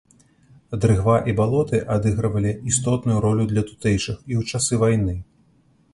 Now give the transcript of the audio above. Дрыгва і балоты адыгрывалі істотную ролю для тутэйшых і ў часы вайны.